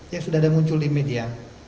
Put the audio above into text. yang sudah ada muncul di media